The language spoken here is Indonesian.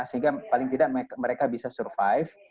sehingga paling tidak mereka bisa survive